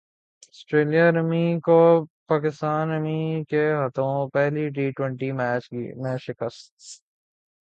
سٹریلیا رمی کو پاکستان رمی کے ہاتھوں پہلے ٹی ٹوئنٹی میچ میں شکست